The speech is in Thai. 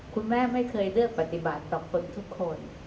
คุณแม่ไม่เคยเลือกปฏิบัติต่อคนทุกคน